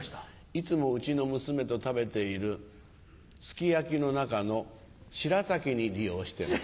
いつもうちの娘と食べているすき焼きの中のしらたきに利用してます。